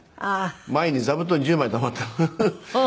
前に座布団１０枚たまって。